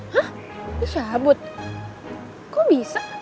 hah dicabut kok bisa